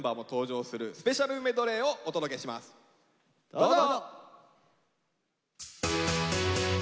どうぞ！